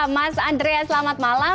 mas andrea selamat malam